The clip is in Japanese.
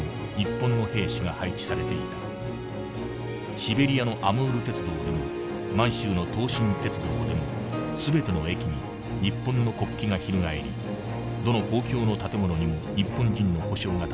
シベリアのアムール鉄道でも満州の東清鉄道でも全ての駅に日本の国旗が翻りどの公共の建物にも日本人の歩哨が立っていた。